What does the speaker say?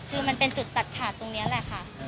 คือมันเป็นจุดตัดขาดตรงนี้แหละค่ะ